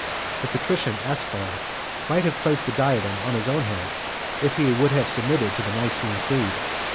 The patrician Aspar might have placed the diadem on his own head, if he would have subscribed the Nicene creed.